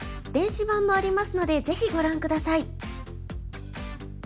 電子版もありますのでぜひご覧下さい。